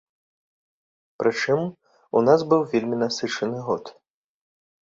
Прычым, у нас быў вельмі насычаны год.